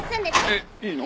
えっいいの？